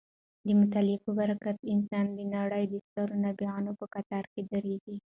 د مطالعې په برکت انسان د نړۍ د سترو نابغانو په کتار کې درېږي.